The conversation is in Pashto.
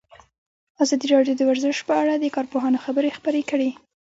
ازادي راډیو د ورزش په اړه د کارپوهانو خبرې خپرې کړي.